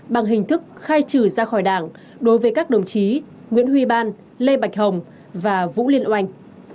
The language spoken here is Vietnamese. bằng hình thức khai trừ ra khỏi đảng đối với các đồng chí nguyễn huy ban lê bạch hồng và vũ liên oanh